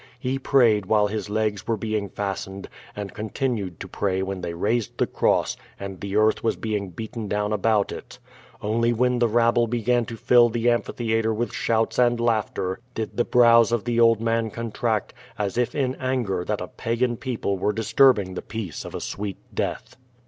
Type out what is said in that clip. He prayed while his legs were being fastened, and continued to pray when they raised the cross and the earth was being beaten down about it. Only when the rabble began to fill the amphitheatre with shouts and laughter did the brows of the old man contract, as if in anger that a pagan people were , disturbing the peace of a sweet death.